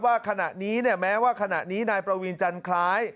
ว่าขณะนี้เนี่ยแม้ว่าขณะนี้นายประวีนจันคล้าย